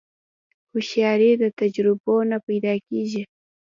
هوښیاري د تجربو نه پیدا کېږي.